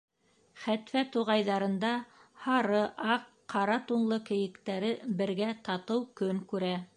Хәтфә туғайҙарында һары, аҡ, ҡара тунлы кейектәре бергә татыу көн күрә.